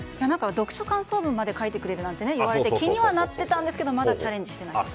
読書感想文を書いてくれるなんていわれて気にはなっていたんですがまだチャレンジしていない。